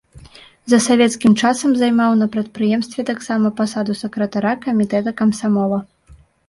За савецкім часам займаў на прадпрыемстве таксама пасаду сакратара камітэта камсамола.